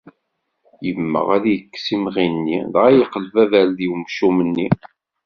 Yemmeɣ ad d-yekkes imɣi-nni dɣa iqleb aberdi umcum-nni.